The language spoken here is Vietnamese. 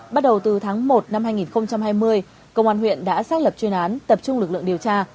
bắt đầu từ tháng một năm hai nghìn hai mươi công an huyện đã xác lập chuyên án tập trung lực lượng điều tra